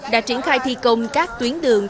đã triển khai thi công các tuyến đường tạm